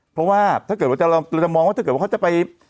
เพราะว่าถ้าเกิดว่าเราจะมองว่าถ้าเกิดว่าเขาจะไป